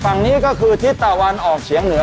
ฝั่งนี้ก็คือทิศตะวันออกเฉียงเหนือ